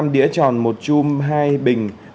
năm đĩa tròn một chum hai bình